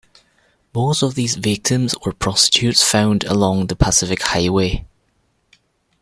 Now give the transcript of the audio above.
Most of these victims were prostitutes found along the Pacific Highway.